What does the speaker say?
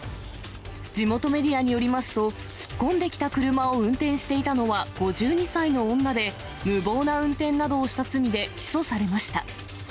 地元メディアによりますと、突っ込んできた車を運転していたのは５２歳の女で、無謀な運転などをした罪で起訴されました。